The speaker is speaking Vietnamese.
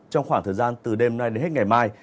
trong khoảng thời gian từ đêm nay đến hết ngày mai